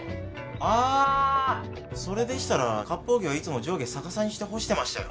あーそれでしたら割烹着はいつも上下逆さにして干してましたよ